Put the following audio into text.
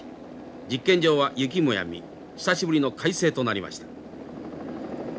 実験場は雪もやみ久しぶりの快晴となりました。